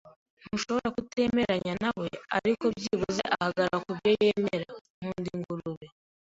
Ntushobora kutemeranya nawe, ariko byibuze ahagarara kubyo yemera. Nkunda ingurube.